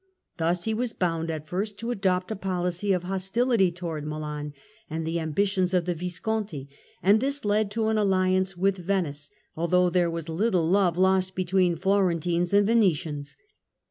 Thus he was bound at first to adopt a policy of hostility towards Milan and the ambitions of the Visconti, and this led to an alliance with Venice, although there was little love lost between Florentines and Venetians.